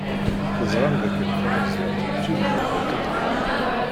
Teẓram d akken Tamaziɣt mačči d yiwet n tutlayt.